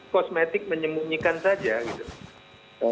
kosmetik menyemunyikan saja